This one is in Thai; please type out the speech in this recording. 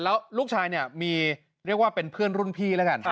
แล้วลูกชายเนี่ยมีเรียกว่าเป็นเพื่อนรุ่นพี่แล้วกัน